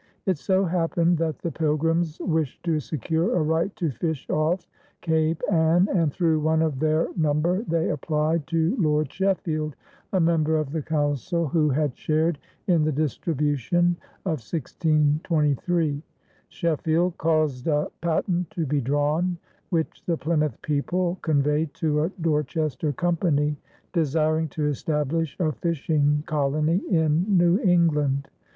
It so happened that the Pilgrims wished to secure a right to fish off Cape Ann, and through one of their number they applied to Lord Sheffield, a member of the Council who had shared in the distribution of 1623. Sheffield caused a patent to be drawn, which the Plymouth people conveyed to a Dorchester company desiring to establish a fishing colony in New England.